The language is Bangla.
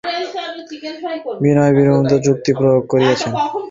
গোরার সঙ্গে যখন তর্ক হইয়াছিল তখন বিনয় বিরুদ্ধ যুক্তি প্রয়োগ করিয়াছে।